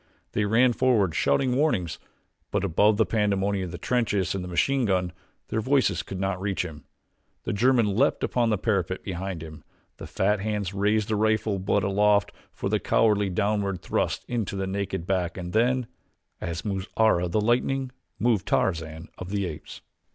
They ran forward, shouting warnings; but above the pandemonium of the trenches and the machine gun their voices could not reach him. The German leaped upon the parapet behind him the fat hands raised the rifle butt aloft for the cowardly downward thrust into the naked back and then, as moves Ara, the lightning, moved Tarzan of the Apes.